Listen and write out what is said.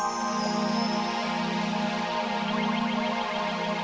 kalau tidak kamu akan kehilangan teman kamu